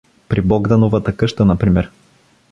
При Богдановата къща, например.